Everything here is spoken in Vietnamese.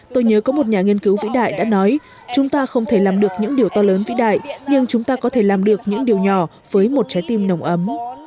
tôi nhớ có một nhà nghiên cứu vĩ đại đã nói chúng ta không thể làm được những điều to lớn vĩ đại nhưng chúng ta có thể làm được những điều nhỏ với một trái tim nồng ấm